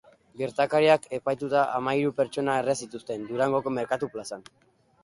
Gertakariak epaituta hamahiru pertsona erre zituzten Durangoko merkatu plazan.